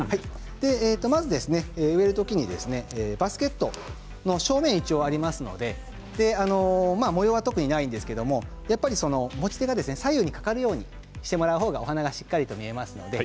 植えるときにバスケット、正面がありますので模様は特にないですけれど持ち手が左右にかかるようにしてもらうほうがお花がしっかりと見えます。